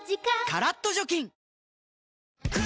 カラッと除菌